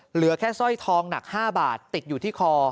เหลือแค่สร้อยทองหนัก๕บาทติดอยู่ที่คอ